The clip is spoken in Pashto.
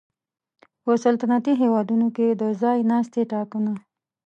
په سلطنتي هېوادونو کې د ځای ناستي ټاکنه